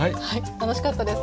楽しかったです。